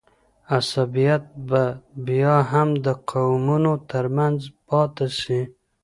عصبیت به بیا هم د قومونو ترمنځ پاته سي.